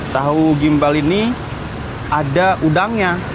tahu gimbal ini ada udangnya